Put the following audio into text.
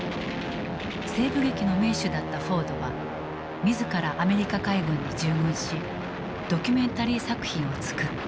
西部劇の名手だったフォードは自らアメリカ海軍に従軍しドキュメンタリー作品を作った。